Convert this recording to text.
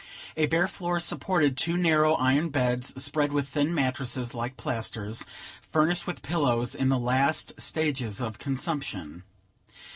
A bare floor supported two narrow iron beds, spread with thin mattresses like plasters, furnished with pillows in the last stages of consumption.